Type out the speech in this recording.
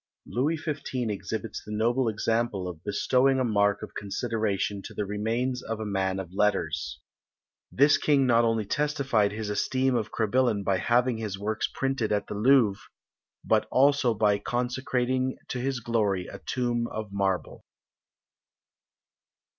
Louis XV. exhibits the noble example of bestowing a mark of consideration to the remains of a man of letters. This King not only testified his esteem of Crebillon by having his works printed at the Louvre, but also by consecrating to his glory a tomb of marble.